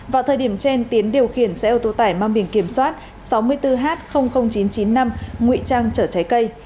vào thời điểm trên tiến điều khiển xe ô tô tải mang biển kiểm soát sáu mươi bốn h chín trăm chín mươi năm ngụy trang chở trái cây